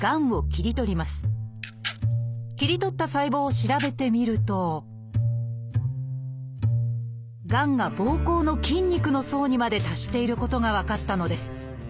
切り取った細胞を調べてみるとがんが膀胱の筋肉の層にまで達していることが分かったのです。